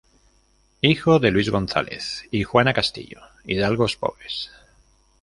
Hijo de Luis González y Juana Castillo, hidalgos pobres.